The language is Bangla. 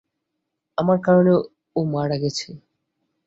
আমার কারণে ও মারা গেছে।